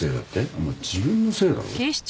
お前自分のせいだろ？